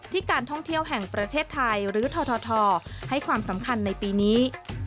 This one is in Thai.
การท่องเที่ยวแห่งประเทศไทยหรือททให้ความสำคัญในปีนี้